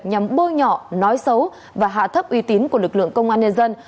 nhằm bôi nhọ nói xấu và hạ thấp uy tín của lực lượng công an nhân dân